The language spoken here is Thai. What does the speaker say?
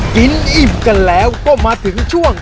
อิ่มกันแล้วก็มาถึงช่วง